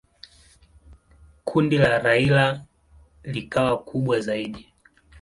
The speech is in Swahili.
Kundi la Raila likawa kubwa zaidi.